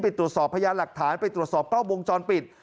ตรวจสอบพยานหลักฐานไปตรวจสอบกล้องวงจรปิด